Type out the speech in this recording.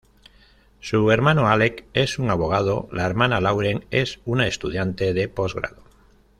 Su hermano, Alec, es un abogado, la hermana, Lauren, es una estudiante de posgrado.